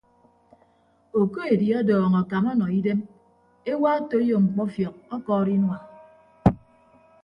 Okoedi ọdọọñ akam ọnọ idem ewa otoiyo mkpọfiọk ọkọọrọ inua.